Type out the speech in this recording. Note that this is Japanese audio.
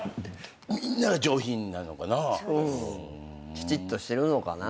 きちっとしてるのかな